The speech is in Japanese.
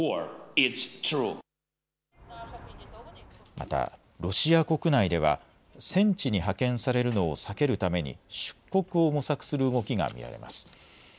またロシア国内では戦地に派遣されるのを避けるために出国を模索する動きが見られます。